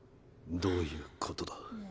どういうことだ？